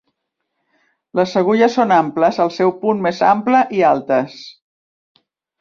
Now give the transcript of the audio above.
Les agulles son amples al seu punt més ample i altes.